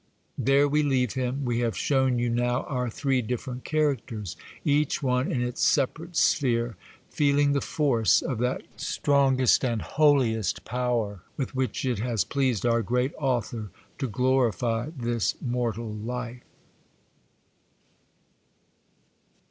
There we leave him. We have shown you now our three different characters, each one in its separate sphere, feeling the force of that strongest and holiest power with which it has pleased our great Author to glorify this mortal life.